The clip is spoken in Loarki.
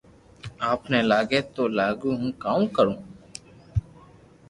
آپ ني لاگي تو لاگو ھون ڪاو ڪرو